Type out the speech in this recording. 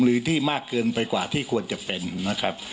หรือที่มากเกินไปกว่าที่ควรจะเป็นนะครับ